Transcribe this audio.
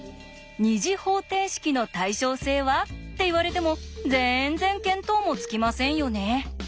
「２次方程式の対称性は？」って言われてもぜんぜん見当もつきませんよね。